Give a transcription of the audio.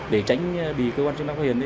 để tránh bị cơ quan chứng năng có hiền